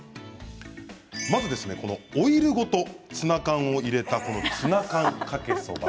オイルごとツナ缶を入れたツナ缶かけそば。